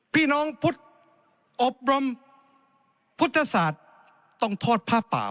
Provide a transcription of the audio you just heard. พี่น้องพุทธอบรมพุทธศาสตร์ต้องทอดผ้าป่า